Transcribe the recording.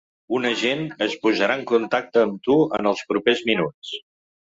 Un agent es posarà en contacte amb tu en els propers minuts.